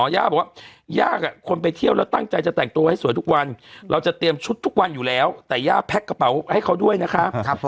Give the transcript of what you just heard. ย่าบอกว่าย่าคนไปเที่ยวแล้วตั้งใจจะแต่งตัวให้สวยทุกวันเราจะเตรียมชุดทุกวันอยู่แล้วแต่ย่าแพ็คกระเป๋าให้เขาด้วยนะคะ